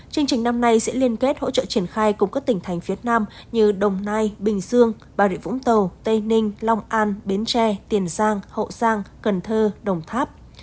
chương trình năm nay sẽ liên kết hỗ trợ triển khai cùng các tỉnh thành phía nam như đồng nai bình dương bà rịa vũng tàu tây ninh long an bến tre tiền giang hậu giang cần thơ đồng tháp